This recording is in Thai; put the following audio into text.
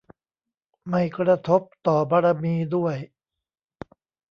ไม่กระทบต่อบารมีด้วย !